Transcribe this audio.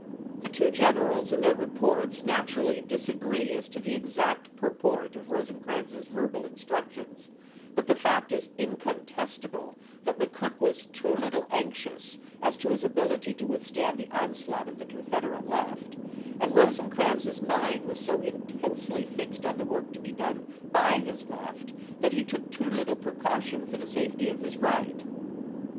The two generals in their reports naturally disagree as to the exact purport of Rosecrans's verbal instruc tions, but the fact is incontestable that McCook was too little anxious as to his ability to withstand the onslaught of the Confederate left and Rose crans's mind was so intensely fixed on the work to be done by his left that he took too little precaution for the safety of his right.